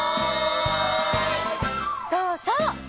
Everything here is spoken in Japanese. そうそう！